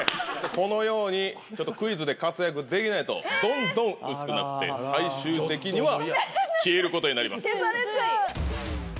このようにクイズで活躍できないとどんどんうすくなって最終的には消えることになります。